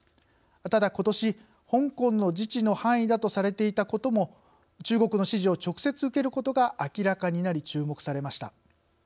ただ、ことし香港の自治の範囲だとされていたことも中国の指示を直接受けることが明らかになり注目されました。